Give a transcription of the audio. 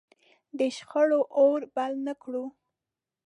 د شخړو اور بل نه کړو.